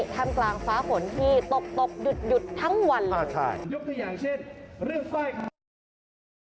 ท่านกลางฟ้าขนที่ตกหยุดทั้งวัน